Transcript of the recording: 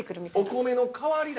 ◆お米も代わりだ。